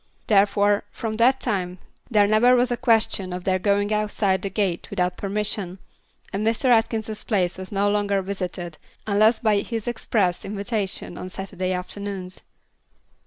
Therefore, from that time there never was a question of their going outside the gate without permission, and Mr. Atkinson's place was no longer visited unless by his express invitation on Saturday afternoons.